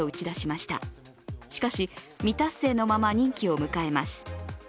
しかし、未達成のまま任期を迎えます。